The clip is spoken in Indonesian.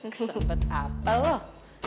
kesempat apa loh